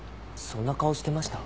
そんな顔してました？